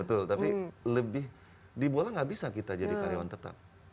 betul tapi lebih di bola gak bisa kita jadi karyawan tetap